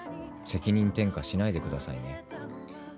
責任転嫁しないでくださいね。